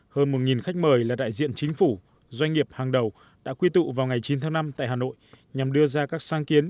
hơn một khách mời là đại diện chính phủ doanh nghiệp hàng đầu đã quy tụ vào ngày chín tháng năm tại hà nội nhằm đưa ra các sáng kiến